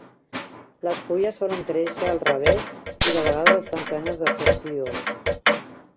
Les fulles solen créixer al revés i de vegades estan plenes de pecíols.